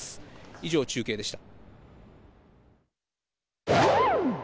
以上、中継でした。